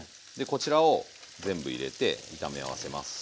こちらを全部入れて炒め合わせます。